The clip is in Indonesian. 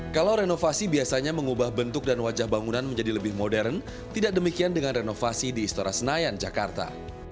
kalau renovasi biasanya mengubah bentuk dan wajah bangunan menjadi lebih modern tidak demikian dengan renovasi di istora senayan jakarta